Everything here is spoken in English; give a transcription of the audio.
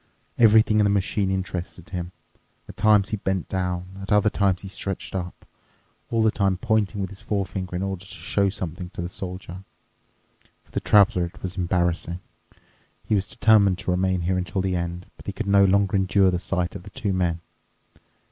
Everything in the machine interested him. At times he bent down—at other times he stretched up, all the time pointing with his forefinger in order to show something to the Soldier. For the Traveler it was embarrassing. He was determined to remain here until the end, but he could no longer endure the sight of the two men.